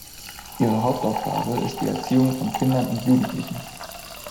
Ihre Hauptaufgabe ist die Erziehung von Kindern und Jugendlichen.